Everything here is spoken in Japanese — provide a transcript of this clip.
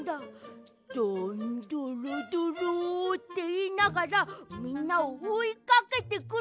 「どんどろどろ」っていいながらみんなをおいかけてくる。